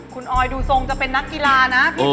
คุณออยดูทรงจะเป็นนักกีฬานะ